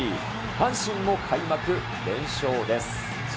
阪神も開幕連勝です。